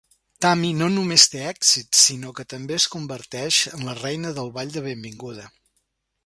Tami no només té èxit, sinó que també es converteix en la reina del ball de benvinguda.